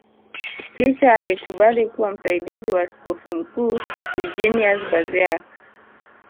Kisha alikubali kuwa msaidizi wa askofu mkuu Eugeniuz Baziak